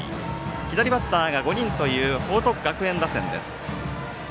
左バッターが５人という報徳学園打線です。